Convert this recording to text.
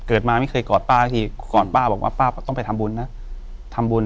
เกิดมาไม่เคยกอดป้าสักทีกอดป้าบอกว่าป้าต้องไปทำบุญนะทำบุญ